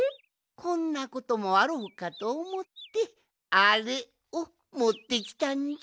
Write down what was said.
こんなこともあろうかとおもってアレをもってきたんじゃ。